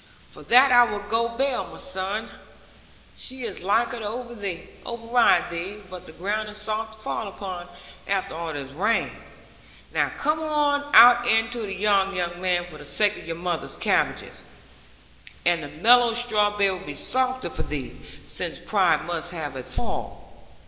'For that I will go bail, my son. She is liker to override thee. But the ground is soft to fall upon, after all this rain. Now come out into the yard, young man, for the sake of your mother's cabbages. And the mellow straw bed will be softer for thee, since pride must have its fall.